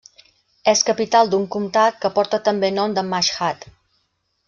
És capital d'un comtat que porta també nom de Mashhad.